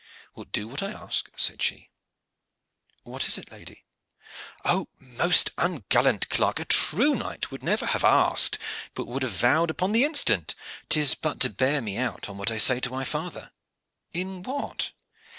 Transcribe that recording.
"Wilt do what I ask?" said she. "What is it, lady?" "Oh, most ungallant clerk! A true knight would never have asked, but would have vowed upon the instant. 'Tis but to bear me out in what I say to my father." "In what?"